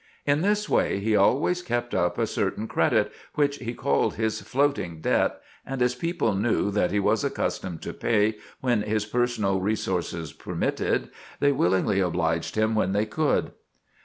In this way he always kept up a certain credit, which he called his floating debt, and as people knew that he was accustomed to pay when his personal resources permitted, they willingly obliged him when they could."